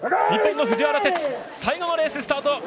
日本の藤原哲最後のレースがスタート。